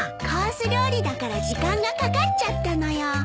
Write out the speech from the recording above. コース料理だから時間がかかっちゃったのよ。